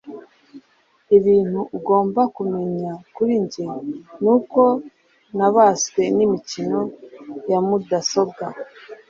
Ikintu ugomba kumenya kuri njye nuko nabaswe nimikino ya mudasobwa.